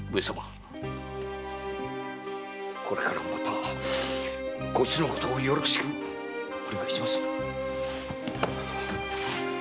これからもまたこいつのことよろしくお願いします。